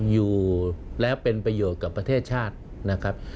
อยู่แล้วเป็นประโยชน์กับประเทศชาตินะครับ